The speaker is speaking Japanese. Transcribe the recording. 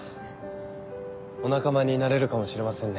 お仲間になれるかもしれませんね。